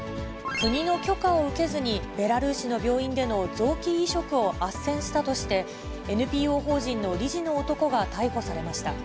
国の許可を受けずに、ベラルーシの病院での臓器移植をあっせんしたとして、ＮＰＯ法人の理事の男が逮捕されました。